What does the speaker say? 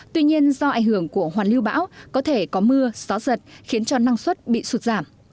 tuy nhiên do ảnh hưởng của hoàn lưu bão có thể có mưa gió giật khiến cho năng suất bị sụt giảm